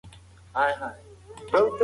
د پيغمبر ﷺ اطاعت د نجات لار ده.